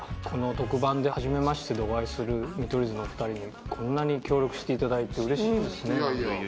この特番ではじめましてでお会いする見取り図のお二人にこんなに協力していただいてうれしいですね。